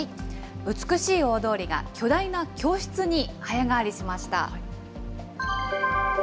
美しい大通りが巨大な教室に早変わりしました。